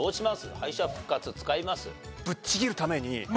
敗者復活使います？